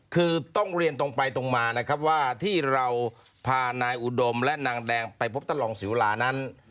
คือต้องเรียนตรงไปตรงมานะครับว่าที่เราพานายอุดมและนางแดงไปพบท่านรองศิวรานั้น